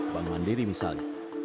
bank mandiri misalnya